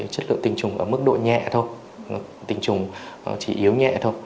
chất lượng tình trùng ở mức độ nhẹ thôi tình trùng chỉ yếu nhẹ thôi